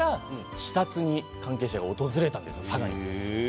そこから視察に関係者が訪れたんです佐賀に。